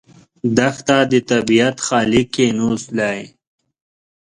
دښته د طبیعت خالي کینوس دی.